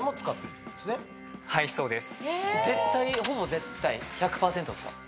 はいそうです。